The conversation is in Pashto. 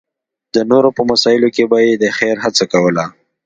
د نورو په مسایلو به یې د خېر هڅه کوله.